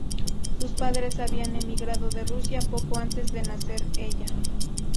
Sus padres habían emigrado de Rusia poco antes de nacer ella.